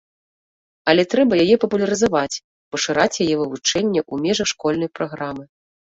Але трэба яе папулярызаваць, пашыраць яе вывучэнне ў межах школьнай праграмы.